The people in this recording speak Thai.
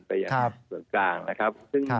ไปยังส่วนกลางนะครับ